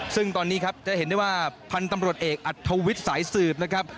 ซึ่งตอนนี้ครับจะเห็นได้ว่าพันธุ์ตำรวจเอกอัธวิทย์สายสืบนะครับ